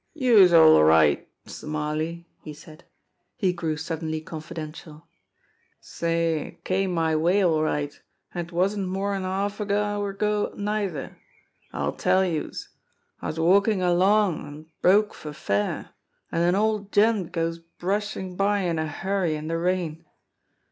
"Youse're all right, Smarly !" he said. He grew suddenly confidential. "Say, it came my way all right, an' 'twasn't more'n half an hour ago, neither. I'll tell youse. I was walkin' along an' broke for fair, an' an old gent goes brushin' by in a hurry in de rain.